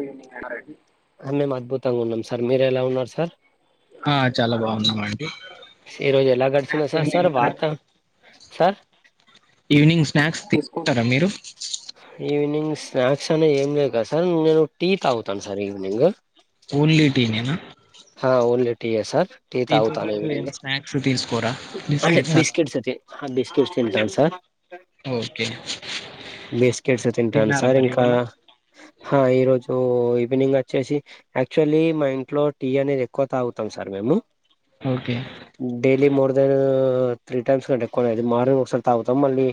Evening అన్నారండి మేము అద్భుతంగా ఉన్నాం సార్ మీరు ఎలా ఉన్నారు సార్ ఆ చాలా బాగున్నామండి ఏ రోజు ఎలా గడిసియనై స్నాక్స్ ఏం సార్ వార్త తిన్నారండి సార్ ఈవినింగ్ స్నాక్స్ తీసుకుంటారా మీరు ఈవినింగ్ స్నాక్స్ అనే ఏం లేదు కదా సార్ నేను టీ తాగుతాను సార్ ఈవినింగ్ ఓన్లీ టీ నేనా ఆ ఓన్లీ టీ ఏ సార్ టీ టీతో తగుతాను పాటు ఏం ఈవినింగ్ స్నాక్స్ తీసుకోరా అంటే బిస్కెట్స్ అలా బిస్కట్స్ తే ఆ బిస్కెట్ తింటాం సార్ ఓకే బిస్కెట్స్ తింటాను తిన్నారా సార్ మరి ఇంకా ఇవాళ ఈరోజు సో ఈవినింగ్ వచ్చేసి యాక్చువల్లీ మా ఇంట్లో టీ అనేది ఎక్కువ తాగుతాం సార్ మేము okay daily more than three times ఎక్కువ మార్నింగ్ ఒకసారి తగుతం మళ్ళీ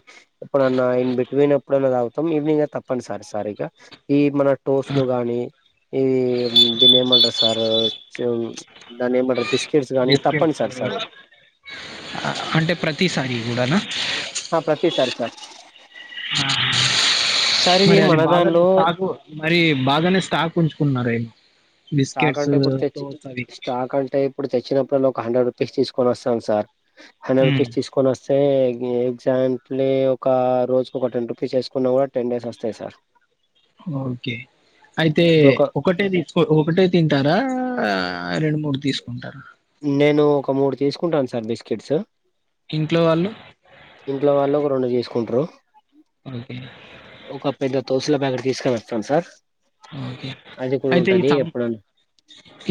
ఏప్పుడన్న ఎన్ బేట్ ఏప్పుడన్న తగుతం ఈవినింగ్ తప్పనీ సారీ సారీ ఇగా ఈ మన ఆ, టోస్లు గాని ఇది దిన్ని ఏమంటారు సార్ సేమ్ దాన్ని ఏమంటారు బిస్ బిస్కెట్స్ అంటే ప్రతిసారి కూడానా ప్రతి సారి సార్ సార్ ఇది మరి అది మన బాగానే దానిలో స్టాక్ మరి బాగానే స్టాక్ ఉంచుకున్నారా స్టాక్ అంటే ఇప్పుడు తెచ్చి అవి స్టాక్ అంటే ఇప్పుడు తెచ్చిన ఎప్పుడన్న ఒక హండ్రెడ్ రూపీస్ తీసుకొని వస్తాం సార్ హండ్రెడ్ ఉమ్, రూపీస్ తీసుకొని వస్తే ఎగ్జాక్ట్లీ ఒక రోజుకు ఒక టెన్ రూపీస్ వేసుకున్నా కూడా టెన్ డేస్ వస్తాయి సార్ ఓకే అయితే ఇప్పుడు ఒక ఒకటే ఒకటే తింటరా ఆ రెండు మూడు తీసుకుంటార నేను ఒక మూడు తీసుకుంటాను సార్ బిస్కెట్స్ ఇంట్లో వాళ్ళు ఇంట్లో వాళ్ళు ఒక రెండు చేసుకుంటారు ఓకే ఒక పెద్ద తోసుల ప్యాకెట్ తీసుకని వస్తాం సార్ ఓకే అది కూడా అయితే ఈ ఉంటది సమ్ ఎప్పుడు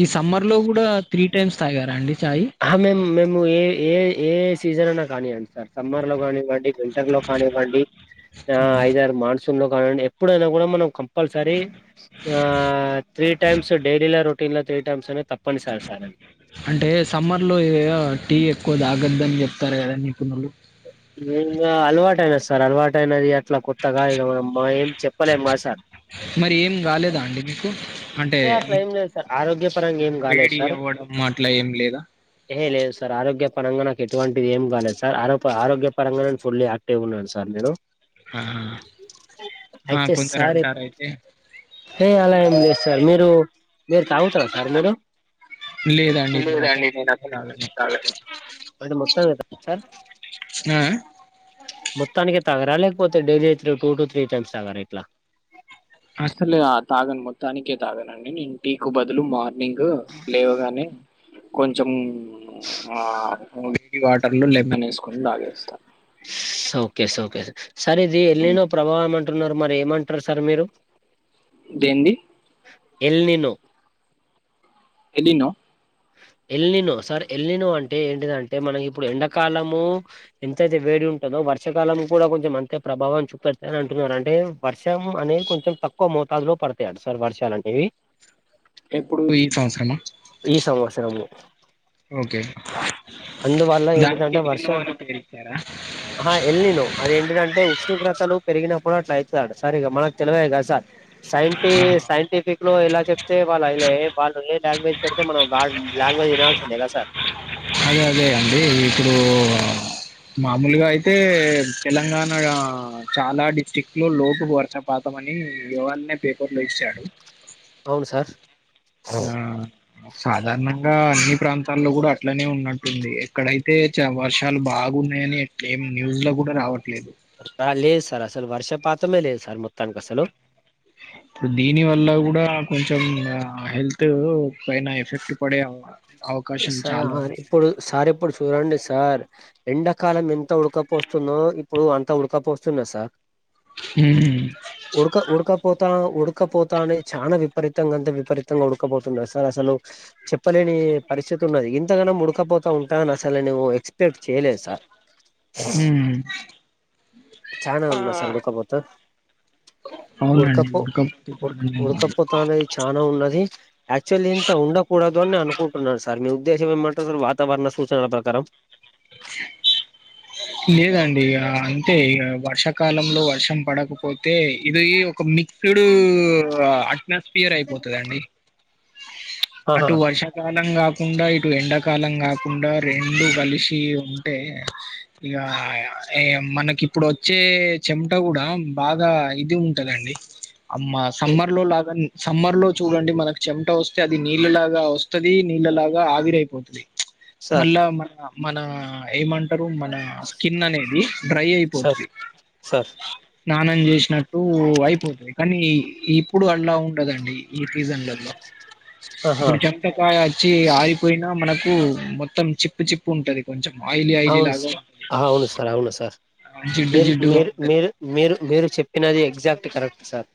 ఈ సమ్మర్ లో కూడా త్రీ టైమ్స్ తాగారా అండి చ ఆ మేము మేము ఏ ఏ ఏ సీజన్ అన్న కానీయండి సార్ సమ్మర్ లో కానివ్వండి వింటర్ లో కానివ్వండి ఆ హ్మ్. ఐదారు మాన్స్ కానిండి ఎప్పుడైనా కూడా మనం కంపల్సరీ ఆ త్రీ టైమ్స్ డైలీ రో ఇల్ల త్రి టైమ్స్ అనీ తప్పనిసరి సార్ అంటే సమ్మర్ లో ఇయా టీ ఎక్కువ తాగద్దని చెప్తారు కదా నిపుణులు ఇంగా అల్వాట అయిన సార్ అల్వాట అయినది అట్లా కొత్తగా ఇక మానం ఏం చెప్పలేం కాదా సార్ మరి ఏం కాలేదా అంటే అండి మీకు? అంటే అట్లా ఉ ఏం లేదు సార్ ఆరోగ్యపరంగా ఏం వేడి అవ్వడం. ఊ అట్ల ఏం లేదా ఎహే లేదు సార్ ఆరోగ్యం పరంగా నాకు ఎటువంటిది ఏం కాలేదు సార్ ఆరోప్ ఆరోగ్య పరంగా నేను ఫుల్లీ ఆక్టివ్ గా ఉన్నాన్ సార్ నేను. ఆహా! ఆ ఐతే కొందరు సార్ ఎప్ అంటారు అయితే ఏ అల ఏం లేద్ సార్ మీరు మీరు తాగుతర సార్ మీరు? లేదండి నేను అసలు టీ నే దాగను. అంటే మొత్తానికి తాగరా స్నా మొత్తానికే తాగరా లేకపోతే డైలీ త్రు టూ టు త్రీ టైమ్స్ తాగరా ఇట్ల అస్సలే ఆ తాగను మొత్తానికే తాగనండి నేను టీకు బదులు మార్ నింకు లేవగానే కొంచెం ఆ ఓన్లీ ఈ వాటర్ లో లెమన్ ఏసుకొని దాగెస్తా స్ సోకే సోకే సర్ ఇది ఉమ్. ఎల్నినో ప్రభావం ఏమన్ టున్నారు మరి ఏమంటర్ సర్ మీరు దేంది El Nino El Nino El Nino sir El Nino అంటే ఏంటిదంటే మనకి ఇప్పుడు ఎండాకాలము ఎంతైతే వేడి ఉం టుదో వర్షకాలం కూడా కొంచెం అంతే ప్రభావం చూపెడ్తదని అంటున్నారు అంటే వర్షం అనేది కొంచెం తక్కువ మొ మోతాదులో పడతాయాట సార్ వర్షాలంటివి ఎప్పుడు ఈ సంవత్సరమా? ఈ సంవత్సరము. ఓకే అందువల్ల దానికి ఏంటిదంటే వర్ష ఎలినో అని పేరు ఇచ్చారా ఆహ ఎల్నినో అదేంటిదంటే ఉష్ణోగ్రతలు పెరిగినప్ పుడట్లయితదాట సార్ ఇగ మనకి తెలివలే గద సార్ సైంటి సైంటిఫిక్ లో ఇలా చెప్తే వాళ్ళు ఐల ఏ వాళ్ళు ఏ లాంగ్వేజ్ పెడితే మనం వాడ్ లాంగ్వేజ్ వినాల్సిందే కద సార్ గదే అండి ఇప్పుడు మామూలుగా అయితే తెలంగాణ చాలా డిస్టిక్ట్ లో లోటు వర్షపాతం వని ఇవాల్నే పేపర్ లో ఇచ్చాడు అవును సార్ ఆ సాధారణంగా అన్ని ప్రాంతాల్లో కూడా అట్లనే ఉన్నట్టుంది ఎక్కడైతే చ వర్షాలు బా గున్నాయని ఎట్ల్ ఏం న్యూస్ ల కూడా రావట్ రా లేదు సార్ అసలు వర్షపాతమే లేదు సార్ మొత్తానికి అసలు ఇప్పుడు దీని వల్ల కూడా కొంచెం ఆ హెల్తూ పైనా ఎఫెక్ట్ పడే అవ్ సార్ ఇప్పుడు సార్ ఇప్పుడు చూరండి సార్ ఎండాకాలం ఎంత ఉడకపోస్తుందో ఇప్పుడు అంత ఉడకపోస్తున్నద్ సార్ ఉడక ఉడక పోత ఉడుక్ ఉడకపోతానే చానా విపరీతంగా అంతా విపరీతంగా ఉడకపోతున్నాద్ సార్ అసలు చెప్పలేని పరిస్థితి ఉన్నది గింతగనం ఉడకపోతా ఉంటదని అసలు నేను ఎక్స్ పెక్ట్ చేయలేదు సార్ ఉమ్ చానా ఉన్నది సార్ ఉడకపోత అవునండి ఉడక ఉడ్ ఉడకపోత అనేది చానా ఉన్నది యాక్చువల్లీ ఇంత ఉండకూడదు అని అనుకుం మీ ఉద్దేశంట [unintelligible] వతారణ సూచన ప్రారం [inaudible] లేదండి ఇగ అంతే ఇగ వర్షాకాలంలో వర్షం పడకపోతే ఇది ఒక మిడ్ అట్మాస్ఫియర్ అయిపోతదండి ఆహా అటు వర్షాకాలంగా కాకుండా ఇటు ఎండాకాలం కాకుండా రెండు కలిసి ఉంటే ఇగ మనకి ఇప్పుడు వచ్చే చెమట కూడా బాగా ఇది ఉంటదండి అమ్మా ఏ సమ్మర్ లో లాగా సమ్మర్ లో చూడండి మనకి చెమట వస్తే అది నీళ్ళలాగా వస్తది నీళ్ళలాగా ఆవిరైపోతది సార్ మళ్ళా మన మన ఏమంటారు మన స్కిన్ అనేది డ్రై సార్ అయిపోతది సార్ స్నానం చేసినట్టు అయిపోతది కానీ ఇప్పుడు అలా ఉండదండి ఈ సీజన్లలో ఆహా ఇప్పుడు చెమట కాయ వచ్చి ఆగిపోయినా మనకు ప్పు మొత్తం చిప్పు చిప్పు ఉంటది కొంచెం ఆయిలీ ఆయిలీ అవును లాగా సార్ అవును సార్ అవును సార్ ఆ జిడ్డు మీరు జిడ్డుగా మీరు ఉంటది మీరు మీరు మీరు చెప్పినది ఎగజాక్ట్ కరక్ట్ సార్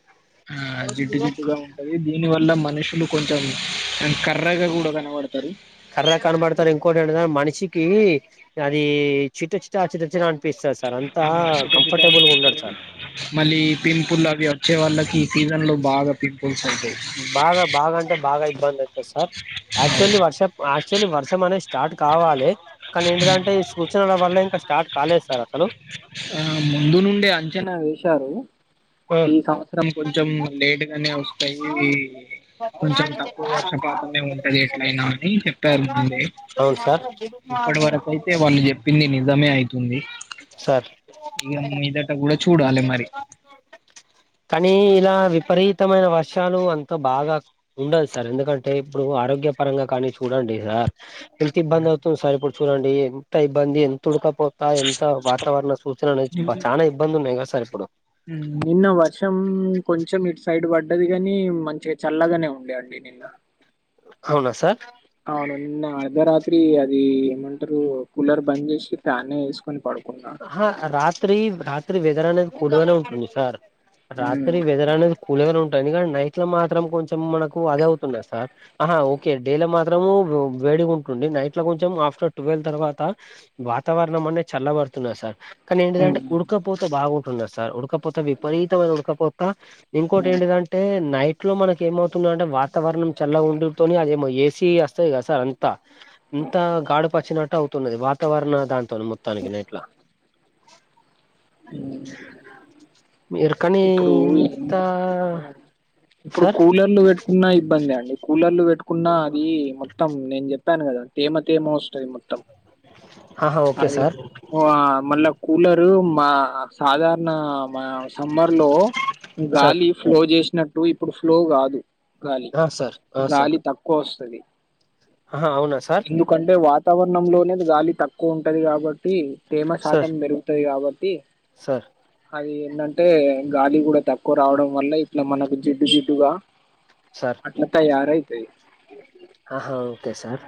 ఆ జిడ్డు జిడ్డు గా ఉంటది దీని వల్ల మ మనుషులు కొంచెం అండ్ కర్రగా కూడా కనబడతారు కర్ర కనబడతారు ఇంకోటి ఎంటదంటే మనిషకి అది చిట్ట చిట్ట చిట చిట అనిపిస్తది సార్ అంతా కంఫర్టబుల్ గా ఉండడు సార్ మళ్ళీ పింపుల్ అవి వచ్చే వాళ్ళ ఈ సీజన్ లో బాగా పి బాగా బాగా అంటే బాగా ఇబ్బంది అయితది సార్ యాక్చువల్లీ వర్ష యాక్చువల్లీ వర్షం అనేది స్టార్ట్ కావాలి కానీ ఏంటిదంటే ఈ సూచనల వల్ల ఇంకా స్టార్ట్ కాలేదు సార్ అసలు ఆ ముందు నుండి అంచనా వేశారు ఆ, ఈ సంవత్సరం కొంచెం లేట్గానే వస్తాయి కొంచెం తక్కువ వర్షపాతమే ఉంటది ఎట్లయినా అని చెప్పారు ముందే అవును సార్ ఇప్పటి వరకు అయితే వాళ్ళు చెప్పింది నిజమే అయితుంది సార్ ఇగ మీదట కూడ చూడాలి మరి కానీ ఇలా విపరీతమైన వర్షాలు అంత బాగా ఉండదు సార్ ఎందుకంటే ఇప్పుడు ఆరోగ్య పరంగా కానీ చూడండి సార్ ఎంత ఇబ్బంది అవుతుంది సార్ ఇప్పుడు చూడండి ఎంత ఇబ్బంది ఎంత ఉడకపో ఎంత వాతావరణ సూచనలు చానా ఇబ్బంది ఉన్నాయి కదా సార్ ఇప్పుడు ఉం నిన్న వర్షం కొంచం ఇటు సైడ్ పడ్ పడ్డది కాని మంచిగా చల్లగానే ఉండేండి నిన్న అవునా సార్ అవును నిన్న అర్ధరాత్రి అది ఏమంటారు కూలర్ బంద్ చేసి ఫ్యాన్ యే ఏసుకుని పడుకు హా రాత్రి రాత్రి వెదర్ అనేది కూల్ గానే ఉంటుంది సార్ ఉమ్, రాత్రి వెదర్ అనేది కూల్ గానే ఉంటది ఎందు కంటే నైట్ లో మాత్రం కొంచెం మనకు అది అవుతున్నాది సార్ ఆహా ఓకే డేల మా వేడి ఉంటుంది నైట్ లో కొంచెం ఆఫ్టర్ ట్వెల్వ్ తర్వాత వాతావరణం అనే చల్లబడుతుంది సార్ కానీ ఏంటిదంటే ఉమ్, ఉడకపోత బాగుంటున్నారు సార్ ఉడకపోత విపరీతమైన ఉడకపోత ఇంకోటి ఏంటిది అంటే నైట్ ఇంట్లో మనకి ఏమవుతుంది అంటే వాతావరణం చల్లగా ఉండుతోని అదేమో ఏసీ వస్తది కదా సార్ అంతా ఇంత గాడ్పోచ్చినట్టు అవుతున్నది వాతావరణ దాంతో మొత్తానికి నైట్లా. ఉమ్. ఆహ్. మీరు కాని ఇప్పుడు ఇంత. ఏంటంటే ఇప్పుడు సార్ కూలర్లు పెట్టుకున్న ఇబ్బందే అండి కూలర్లు పెట్టుకు. కున్నాది మొత్తం నేను చెప్పాను కదా తేమ తేమో. మొత్తం ఆహా ఓకే అది సార్ ఆహ్ మళ్ళా. కూలరు మా సాధారణ మా. సమ్మర్ లో సార్ గాలి ఫ్లో చేసినట్టు ఇప్పుడు ఫ్లో కాదు. గాలి ఆ సార్ ఆ సార్ గాలి తక్కువ వస్తది ఆహా అవునా సార్ ఎందుకంటే వాత. వాతావరణ లోనేది గాలి తక్కువ ఉంటది కాబట్టి తేమ సార్ శాతం పెరుగుతది కాబట్టి. సార్. అది ఏంటంటే గాలి కూడా తక్కువ రావడం వల్ల ఇట్లా మనకు జిడ్డు జిడ్డుగా. సార్ అట్లా తయారైతది. ఆహా ఓకే సార్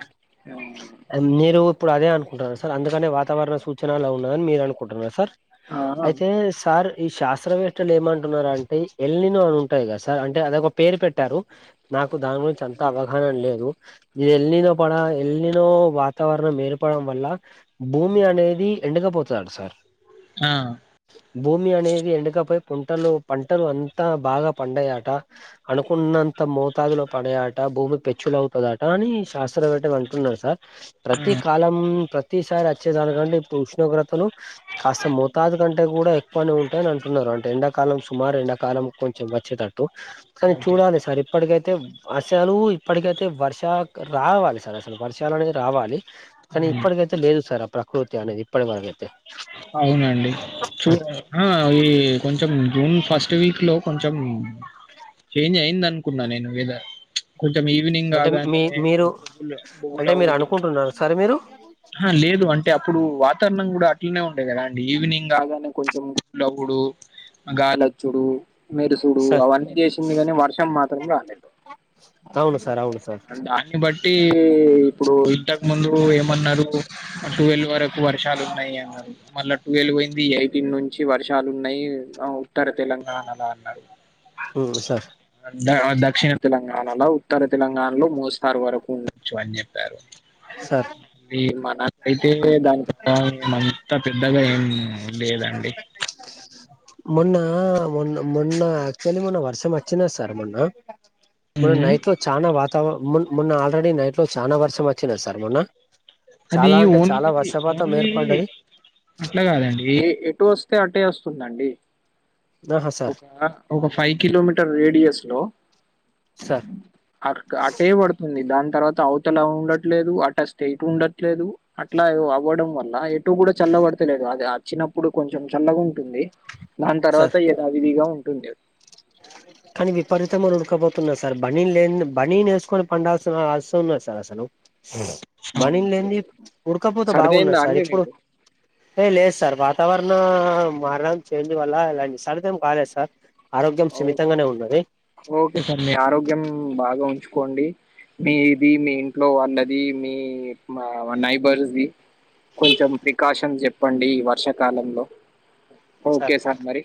ఆహ్ మీరు. ఇప్పుడు అదే అనుకుంటున్నారు సార్ అందుకనే వాతావరణ సూచనలు ఉన్నదని మీరు అనుకుంటున్నారు సార్. అయితే ఆ సార్. ఈ శాస్త్రవేత్తలు ఏమంటున్నారు అంటే ఎల్ నినో అని ఉంటాయి కదా సార్ అంటే అదోక పేరు పెట్టారు. నాకు దాని గురించి అంత అవగాహన లేదు. ఇ ఎల్ నినో పడ ఎల్ నినో వాతావరణం ఏర్పడం వల్ల. భూమి అనేది ఎండకపోతది అంట సార్ ఆ భూమి అనేది ఎండకపోయి. పంటలు పంటలు అంతా బాగా పండయట అనుకున్నంత మోతాదులో పడయట. భూమి పెచ్చులు అవుతయట అని శాస్త్రవేత్తలు అంటున్నారు సార్ ప్రతి కాలం. ప్రతిసారి వచ్చేదానికంటే ఇప్పుడు ఉష్ణోగ్రతలు కాస్త మోతాదు కంటే కూడా ఎక్కువనే ఉంటాయని అంటు అంటే ఎండాకాలం సుమారు ఎండాకాలం కొంచెం వచ్చేటట్టు. కానీ చూడాలి సార్ ఇప్పటికైతే అసలు ఇప్పటికైతే. అయితే వర్ష రావాలి సార్ అసలు వర్షాలు అనేది రావాలి కానీ ఓకే ఇప్పటికైతే లేదు సార్. ప్రకృతి అనేదిప్పటీ వరకైతే. అవునండి చూ ఆహ్ ఈ కొంచెం జూన్. ఫస్ట్ వీక్ లో కొంచెం చేంజ్ అయింది అనుకున్నా నేను వెదర్ ప్చ్. కొంచెం ఈవినింగ్ అంటే మీ కాగానే మీరు కూల్ కూల్ అంటే మీరు ఆవ్వుడు. అనుకుంటున్నారా సార్ మీరు ఆహ్ లేదు అంటే అప్పుడు వాతావరణం కూడా. ఇట్లనే ఉండే కదా అండి ఈవినింగ్ కాగానే కొంచెం కూలవుడు గాలోచ్చుడు. మెరుసుడు సార్ అవన్నీ చేసింది కానీ వర్షం మాత్రం రాలేదు. అవును సార్ అవును సార్. టి ఇప్పుడు ఇంతకు ముందు ఏమన్నారు టువెల్ వరకు వర్షాలు ఉన్నాయి అని. మళ్ళ టువెలు పోయింది ఎయిటిన్ నుంచి వర్షాలు ఉన్నాయి ఉత్తర తెలంగాణలో అన్నారు. ఉమ్ సార్ ద దక్షిణ తెలంగాణలో ఉత్తర తెలంగాణలో మోస్తారు వరకు ఉండొచ్చు అని చెప్పారు. సార్ అది మనకైతే దాని [unintelligible] పెద్దగా ఏం లేదండి. మొన్న మొన్న మొన్న యాక్చువల్లీ మొన్న వర్షం వచ్చిందా సార్ మొన్న. మొన్న ఉమ్, నైట్ లో చానా వాతావరణం మొన్ మొన్న ఆల్రెడీ నైట్ లో చానా వర్షం వచ్చిందా సార్ మొన్న. అది చాలా అంటే చాలా ఓన్లీ వర్షపాతం ఓన్లీ ఏర్పడ్డది అట్లా కాదండి ఎటు వస్. అంతే అట్టే వస్తుందండి. ఆహా సార్ ఒక ఒక ఫైవ్ కిలోమీటర్ రేడియస్ లో. సార్ ఆహ్ అట్టే పడుతుంది దాంతో. తర్వాత అవతల ఉండట్లేదు అట్ట స్టేట్ ఉండట్లేదు అట్లా అవ్వడం వల్ల చుట్టూ కూడా చల్లబడతలేదు అది అచ్చినప్పుడు కొంచెం చల్లగా ఉంటుంది దాని తర్వాత యదావిధిగా ఉంటుంది అ కానీ విపరీతంగా ఉడకపోతున్నాది సార్ బనీన్ లేని బనీన్ నేసుకొని పండాల్సిన అసం ఉన్నాది సార్ అసలు బనిన్ అవునండి. లేనిది ఉడకపోతే సరిదయిందా బాగున్నది సార్ అండి ఇప్పుడు మీకు? ఏ లేదు సార్ వాతావరణం మారడం చేంజ్ వల్ల ఇలా ని సార్త ఏం బాగాలేదు సార్ ఆర ఓ ఓకే సార్ మీ ఆరోగ్యం బాగా ఉంచు కోండి మీది మీ ఇంట్లో వాళ్ళది మీ మా నైబర్స్ది కొంచెం ప్రికాషన్స్ చెప్పండి ఈ వర్షాకాలంలో ఓకే సార్ మరి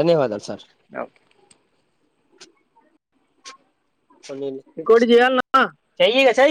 ధన్యవాదాలు సార్ ఓకే పోన్నీ ఇంకోటి చేయాలనా? చేయ్